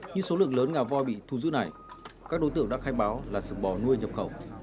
như số lượng lớn ngả vòi bị thu giữ này các đối tượng đã khai báo là sự bỏ nuôi nhập khẩu